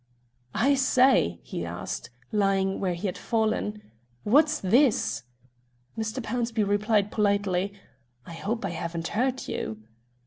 "I say," he asked, lying where he had fallen, "what's this?" Mr. Pownceby replied politely: "I hope I haven't hurt you?"